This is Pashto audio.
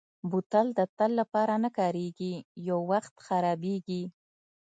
بوتل د تل لپاره نه کارېږي، یو وخت خرابېږي.